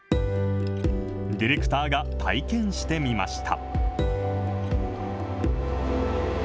ディレクターが体験してみました。